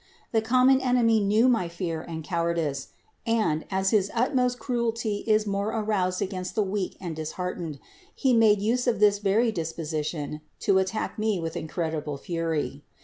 The common enemy knew my fear and cowardice, and, as his utmost cruelty is more aroused against the weak and disheartened, he made use of this very disposition to attack me with incredible fury.